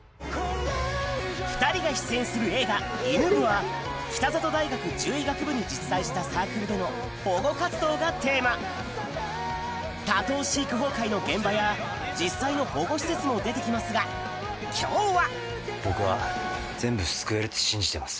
２人が出演する映画『犬部！』は北里大学獣医学部に実在したサークルでの保護活動がテーマ多頭飼育崩壊の現場や実際の保護施設も出て来ますが今日は僕は全部救えるって信じてます。